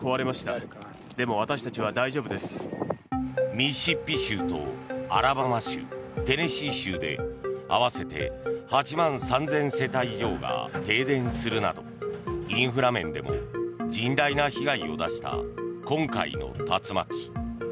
ミシシッピ州とアラバマ州、テネシー州で合わせて８万３０００世帯以上が停電するなどインフラ面でも甚大な被害を出した今回の竜巻。